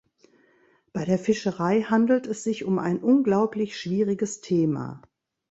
Bei der Fischerei handelt es sich um ein unglaublich schwieriges Thema.